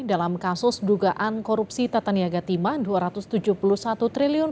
dalam kasus dugaan korupsi tata niaga timah rp dua ratus tujuh puluh satu triliun